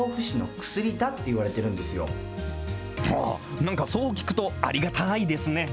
なんかそう聞くと、ありがたいですね。